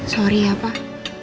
sorry ya pak